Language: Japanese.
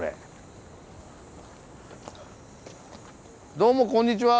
どうもこんにちは！